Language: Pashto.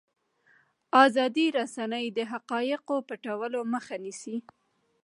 ازادې رسنۍ د حقایقو پټولو مخه نیسي.